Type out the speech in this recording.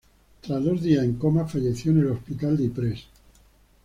Tras dos días en coma, falleció en el hospital de Ypres.